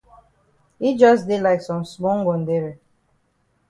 Yi jus dey like some small ngondere.